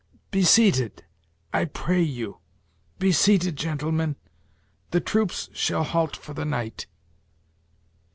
Be seated I pray you, be seated, gentlemen. The troops shall halt for the night."